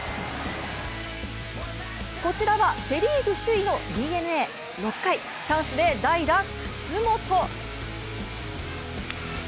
こちらはセ・リーグ首位のＤｅＮＡ、６回、チャンスで代打・楠本。